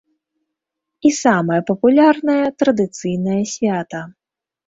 І самае папулярнае традыцыйнае свята.